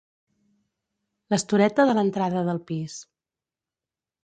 L'estoreta de l'entrada del pis.